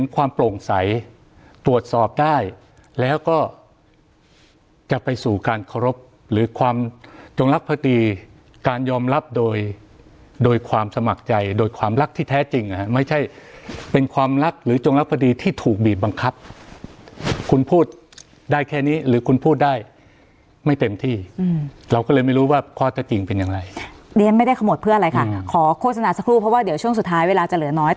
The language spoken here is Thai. ความจงลักษณ์พอดีการยอมรับโดยความสมัครใจโดยความรักที่แท้จริงไม่ใช่เป็นความรักหรือจงลักษณ์พอดีที่ถูกบีบังคับคุณพูดได้แค่นี้หรือคุณพูดได้ไม่เต็มที่เราก็เลยไม่รู้ว่าข้อจะจริงเป็นอย่างไรเรียนไม่ได้ขโมทเพื่ออะไรค่ะขอโฆษณาสักครู่เพราะว่าเดี๋ยวช่วงสุดท้ายเวลาจะเหลือน